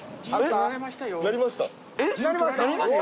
鳴りました。